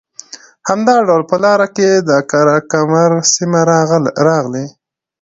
همدا ډول په لاره کې د قره کمر سیمه راغلې